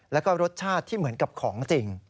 แล้วก็รสชาติที่เหมือนกับของจริง